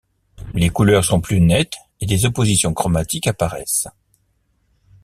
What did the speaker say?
Les couleurs sont plus nettes et des oppositions chromatiques apparaissent.